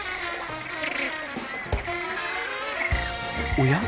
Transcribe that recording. おや？